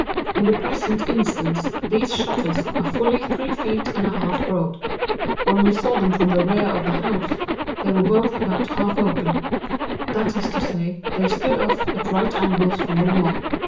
In the present instance these shutters are fully three feet and a half broad. When we saw them from the rear of the house, they were both about half open—that is to say, they stood off at right angles from the wall.